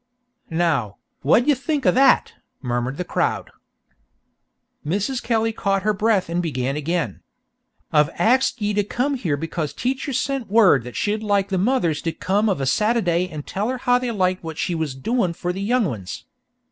"Now, wha' d'ye think o' that?" murmured the crowd. Mrs. Kelly caught her breath and began again. "I've axed ye to come here because teacher sent word that she'd like the mothers to come of a Satady and tell her how they liked what she was doin' for the young ones.